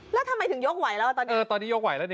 แล้วทำไมถึงยกไหวแล้วอ่ะตอนนี้เออตอนนี้ยกไหวแล้วดิ